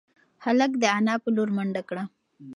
هلک د انا په لور منډه کړه.